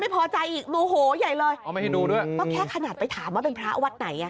ก็แค่ขนาดไปถามว่าเป็นพระวัดไหน